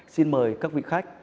xin mời các vị khách